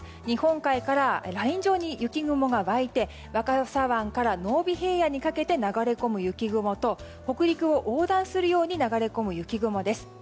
日本海からライン上に雪雲が湧いて若狭湾から濃尾平野にかけて流れ込む雪雲と北陸を横断するように流れ込む雪雲です。